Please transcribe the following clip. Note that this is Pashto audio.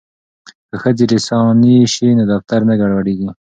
که ښځې ریسانې شي نو دفتر نه ګډوډیږي.